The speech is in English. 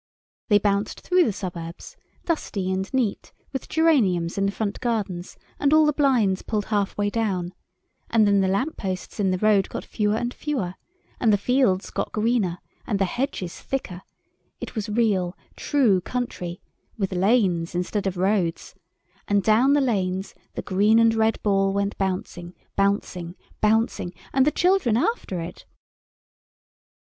They bounced through the suburbs, dusty and neat, with geraniums in the front gardens, and all the blinds pulled half way down; and then the lamp posts in the road got fewer and fewer, and the fields got greener and the hedges thicker—it was real, true country—with lanes instead of roads; and down the lanes the green and red Ball went bouncing, bouncing, bouncing, and the children after it.